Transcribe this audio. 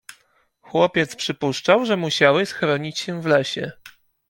Chłopiec przypuszczał, że musiały schronić się w lesie.